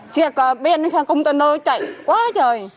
xe bèn xe công tân đơ chạy quá trời